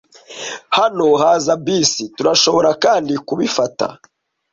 Hano haza bisi. Turashobora kandi kubifata.